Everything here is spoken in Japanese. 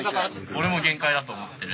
オレも限界だと思ってる。